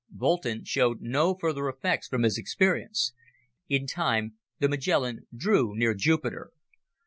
Boulton showed no further effects from his experience. In time, the Magellan drew near Jupiter.